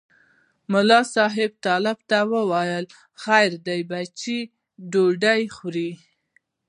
ملا صاحب طالب ته وویل خیر دی بچیه ډوډۍ وخوره.